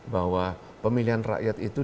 bahwa pemilihan rakyat itu